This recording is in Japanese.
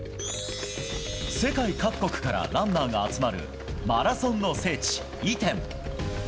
世界各国からランナーが集まるマラソンの聖地、イテン。